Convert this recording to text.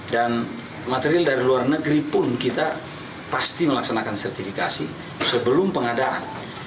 dan material dari luar negeri pun kita pasti melaksanakan sertifikasi sebelum pengadaan